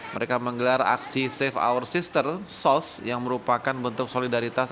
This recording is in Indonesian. mereka menggelar aksi save our sister sos yang merupakan bentuk solidaritas